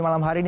malam hari ini